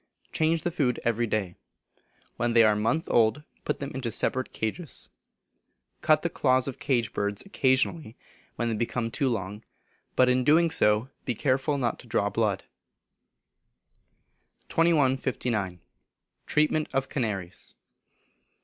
Change the food every day. When they are a month old, put them into separate cages. Cut the claws of cage birds occasionally, when they become too long, but in doing so be careful not to draw blood. 2159. Treatment of Canaries.